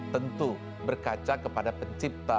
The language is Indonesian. tentu berkaca kepada pencipta